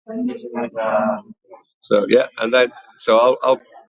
Dilyswyd ei lw gan y clerc.